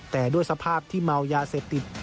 แต่ด้วยสภาพที่เมายาเสพติด